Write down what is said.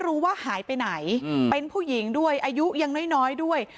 รู้ว่าหายไปไหนเป็นผู้หญิงด้วยอายุยังน้อยด้วย